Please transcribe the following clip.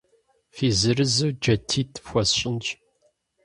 Фи зырызу джатитӏ фхуэсщӏынщ.